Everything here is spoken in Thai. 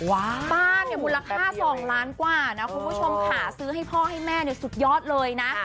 บ้านเนี่ยมูลค่า๒ล้านกว่านะคุณผู้ชมค่ะซื้อให้พ่อให้แม่เนี่ยสุดยอดเลยนะ